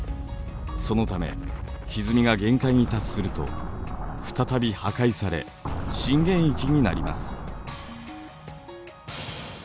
そのためひずみが限界に達すると再び破壊され震源域になります。